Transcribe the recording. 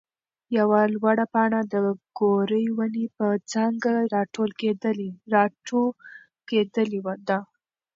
يوه لوړه پاڼه د ګورې ونې پر څانګه راټوکېدلې ده.